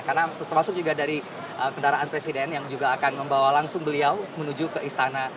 karena termasuk juga dari kendaraan presiden yang juga akan membawa langsung beliau menuju ke istana